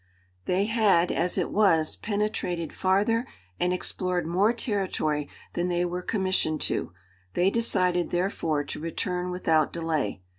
They had, as it was, penetrated farther and explored more territory than they were commissioned to; they decided, therefore, to return without delay.